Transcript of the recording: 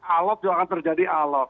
alat juga akan terjadi alat